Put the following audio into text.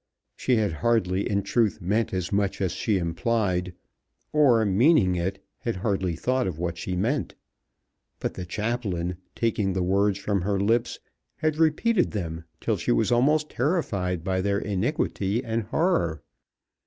She had hardly in truth meant as much as she implied, or meaning it had hardly thought of what she meant. But the chaplain taking the words from her lips, had repeated them till she was almost terrified by their iniquity and horror.